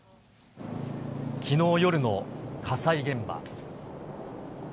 きのう夜の火災現場。